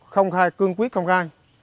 không khai cương quyết không khai